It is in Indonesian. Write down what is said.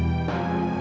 gak ada apa apa